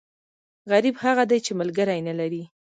غریب هغه دی، چې ملکری نه لري.